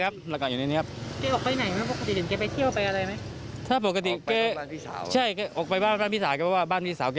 เพราะคือหลักคือแกจะอยู่ในนี้มั้ย